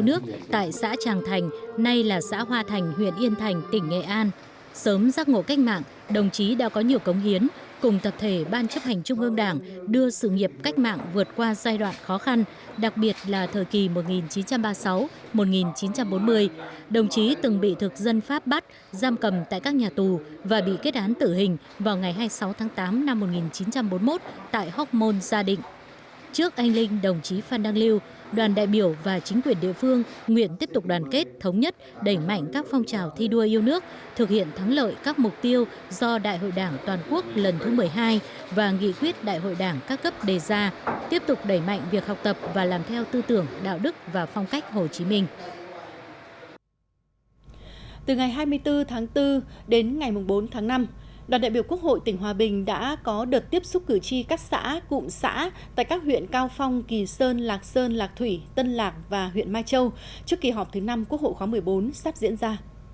quốc hội tỉnh hòa bình đã có đợt tiếp xúc cử tri các xã cụm xã tại các huyện cao phong kỳ sơn lạc sơn lạc thủy tân lạc và huyện mai châu trước kỳ họp thứ năm quốc hội khóa một mươi bốn sắp diễn ra